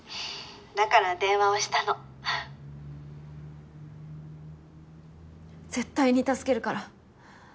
「だから電話をしたの」絶対に助けるから。